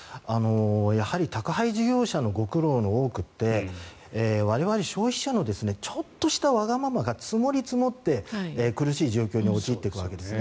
やはり宅配事業者のご苦労の多くって我々消費者のちょっとしたわがままが積もり積もって苦しい状況に陥っていくわけですね。